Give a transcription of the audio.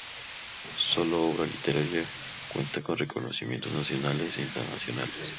Su obra literaria cuenta con reconocimientos nacionales e internacionales.